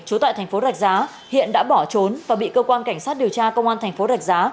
chú tại tp rạch giá hiện đã bỏ trốn và bị cơ quan cảnh sát điều tra công an tp rạch giá